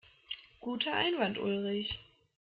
Guter Einwand, Ulrich.